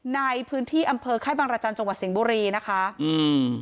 ในพื้นที่อำเภอไข้บางราชาญจังหวัดเสียงบุรีนะคะอืม